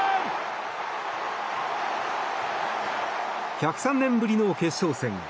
１０３年ぶりの決勝戦。